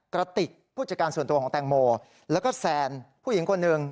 กระติกผู้จัดการส่วนตัวของแตงโมแล้วก็แซนผู้หญิงคนหนึ่ง